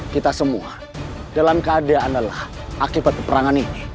kita semua dalam keadaan adalah akibat perang ini